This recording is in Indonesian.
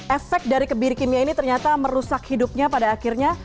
efek dari kebiri kimia ini ternyata merusak hidupnya pada akhirnya